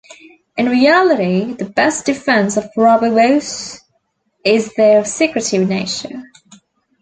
In reality the best defense of rubber boas is their secretive nature.